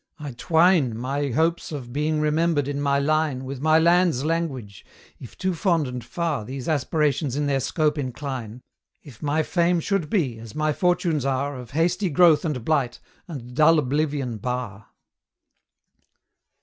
I twine My hopes of being remembered in my line With my land's language: if too fond and far These aspirations in their scope incline, If my fame should be, as my fortunes are, Of hasty growth and blight, and dull Oblivion bar. X.